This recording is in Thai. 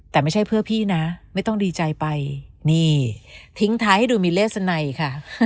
แต่ไม่ใช่เพื่อพี่นะไม่ต้องดีใจไปนี่ทิ้งท้ายให้ดูมีเลสนัยค่ะ